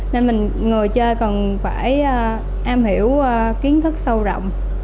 nên người chơi cần phải am hiểu kiến thức sâu rộng